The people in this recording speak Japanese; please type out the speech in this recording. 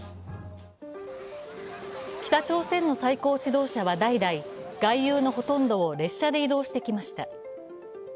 北朝鮮の最高指導者は代々、外遊のほとんどを列車で移動してきました。